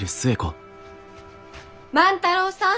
万太郎さん！